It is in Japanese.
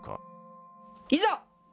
いざ！